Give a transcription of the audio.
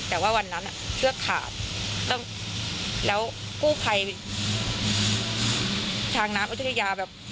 แต่ว่าวันนั้นเชือกขาดแล้วกู้ไพรทางน้ำอุทยุยา